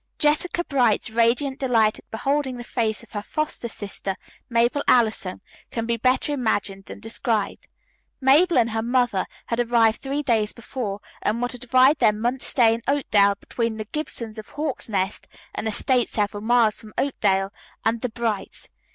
Jessica Bright's radiant delight at beholding the face of her foster sister, Mabel Allison, can be better imagined than described. Mabel and her mother had arrived three days before, and were to divide their month's stay in Oakdale between the Gibsons of Hawk's Nest, an estate several miles from Oakdale, and the Brights.